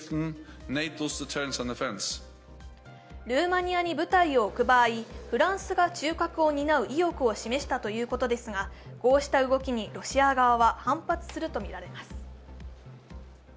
ルーマニアに舞台を置く場合フランスが中核を担う意欲を示したということですがこうした動きにロシア側は反発するとみられます。